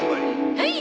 はい！